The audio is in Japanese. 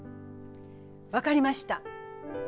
分かりました。